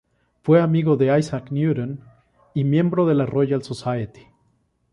Fue amigo de Isaac Newton y miembro de la Royal Society.